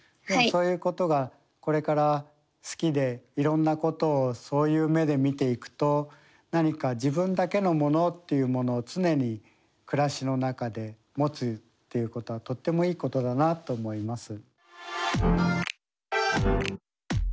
そういうことがこれから好きでいろんなことをそういう目で見ていくと何か自分だけのものというものを常に暮らしの中で持つっていうことはとってもいいことだなと思います。